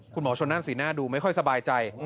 คุณหมอชนนั่นสีหน้าดูไม่ค่อยสบายใจ